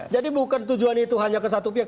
jadi bukan tujuan itu hanya ke satu pihak